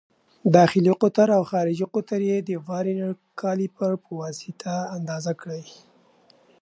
داخلي قطر او خارجي قطر یې د ورنیز کالیپر په واسطه اندازه کړئ.